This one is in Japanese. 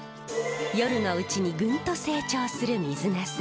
夜のうちにぐんと成長する水ナス。